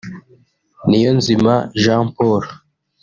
Niyonzima Jean Paul